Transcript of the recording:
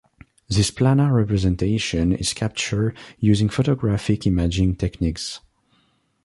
This planar representation is captured using photographic imaging techniques.